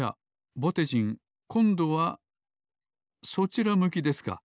ぼてじんこんどはそちら向きですか。